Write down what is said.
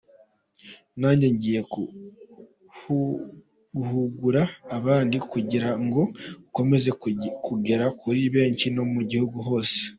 Nanjye ngiye guhugura abandi kugira ngo ukomeze kugera kuri benshi no mu gihugu hose.